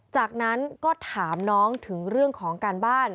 จากนั้นก็ถามน้องถึงเรื่องของการบ้าน